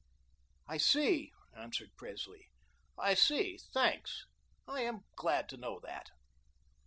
"I see," answered Presley, "I see. Thanks. I am glad to know that."